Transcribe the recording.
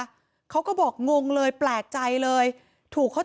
เหตุการณ์เกิดขึ้นแถวคลองแปดลำลูกกา